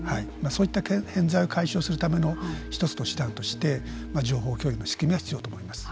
そういった偏在を解消するための１つの手段として情報共有が必要だと思います。